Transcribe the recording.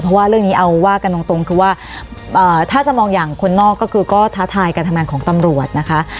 เพราะว่าเรื่องนี้เอาว่ากันตรงคือว่าถ้าจะมองอย่างคนนอกก็คือก็ท้าทายการทำงานของตำรวจนะคะ